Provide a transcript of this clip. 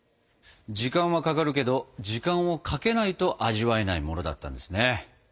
時間はかかるけど時間をかけないと味わえないものだったんですね。